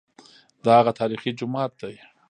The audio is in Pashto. دا هغه تاریخي جومات دی.